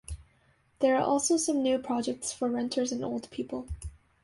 There are also some new projects for renters and older people.